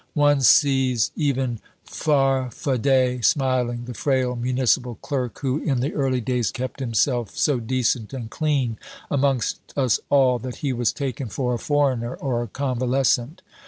One sees even Farfadet smiling, the frail municipal clerk who in the early days kept himself so decent and clean amongst us all that he was taken for a foreigner or a convalescent.